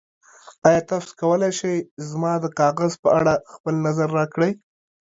ایا تاسو کولی شئ زما د کاغذ په اړه خپل نظر راکړئ؟